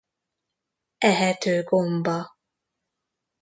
Ehető gomba